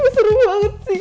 seru banget sih